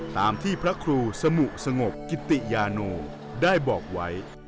ตามที่พระครูสมุสงบกิติยาโนได้บอกไว้